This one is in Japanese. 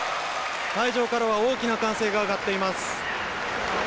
会場からは大きな歓声が上がっています。